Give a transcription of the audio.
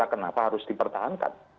kenapa harus dipertahankan